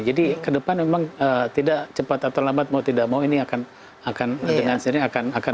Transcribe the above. ke depan memang tidak cepat atau lambat mau tidak mau ini akan dengan sendiri akan